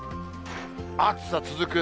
暑さ続く。